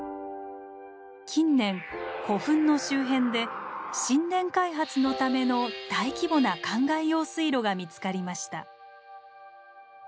近年古墳の周辺で新田開発のための大規模な潅漑用水路が見つかりました。